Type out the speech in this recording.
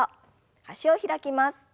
脚を開きます。